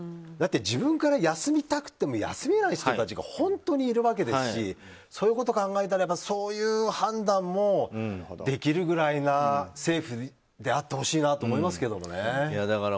だって自分から休みたくても休めない人が本当にいるわけですしそういうことを考えたらそういう判断もできるくらいな政府であってほしいなと思いますけどもね。